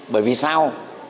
bởi vì sao